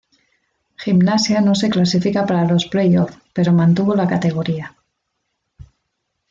Gimnasia no se clasifica para los playoff pero mantuvo la categoría.